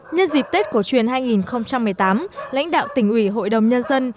nhân dịp tết cổ truyền hai nghìn một mươi tám lãnh đạo tỉnh ủy hội đồng nhân dân